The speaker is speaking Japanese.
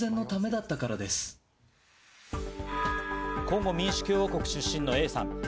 コンゴ民主共和国出身のＡさん。